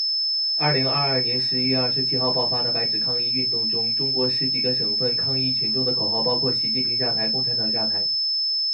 二零二二年十一月二十七号爆发的白纸抗议运动中，中国十几个省份抗议群众的口号包括“习近平下台，共产党下台”